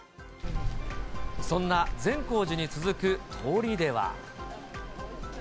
そんな善光寺に続く通りでは。